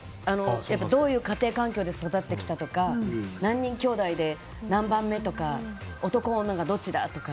どういう家庭環境で育ってきたとか何人きょうだいで、何番目とか男女がどっちだとか。